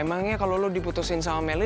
emangnya kalau lo diputusin sama melly